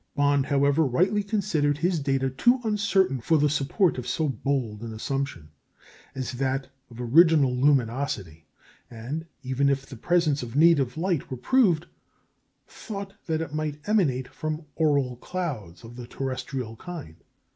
Bond, however, rightly considered his data too uncertain for the support of so bold an assumption as that of original luminosity, and, even if the presence of native light were proved, thought that it might emanate from auroral clouds of the terrestrial kind.